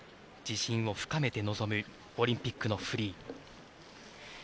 自信を深めて臨むオリンピックのフリー。